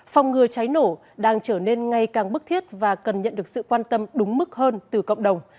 phòng ngừa cháy nổ đang trở nên ngay càng bức thiết và cần nhận được sự quan tâm đúng mức hơn từ cộng đồng